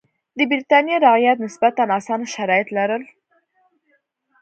د برېټانیا رعیت نسبتا اسانه شرایط لرل.